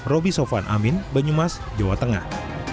roby sofwan amin banyumas jawa tengah